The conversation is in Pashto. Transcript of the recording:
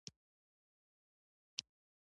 آزادي مرګ نه لري.